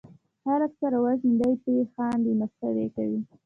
خلک سره وژني دي پې خاندي مسخرې کوي